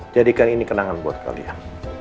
jadikan ini kenangan buat kalian